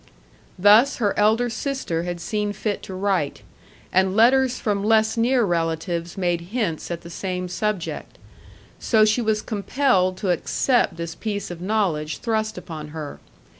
Thus her elder sister had seen fit to write; and letters from less near relatives made hints at the same subject. So she was compelled to accept this piece of knowledge thrust upon her.